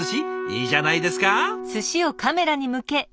いいじゃないですか！